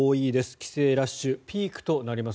帰省ラッシュピークとなります。